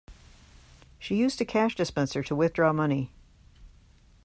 She used a cash dispenser to withdraw money